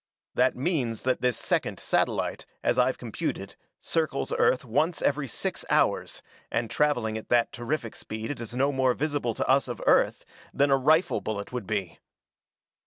That means that this second satellite, as I've computed, circles Earth once every six hours, and travelling at that terrific speed it is no more visible to us of Earth than a rifle bullet would be."